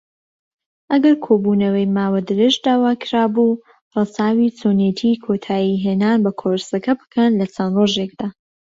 ئەگەر کۆبوونەوەی ماوە درێژ داواکرابوو، ڕەچاوی چۆنێتی کۆتایهێنان بە کۆرسەکە بکەن لەچەند ڕۆژێکدا.